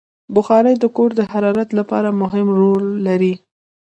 بخاري د کور د حرارت لپاره مهم رول لري.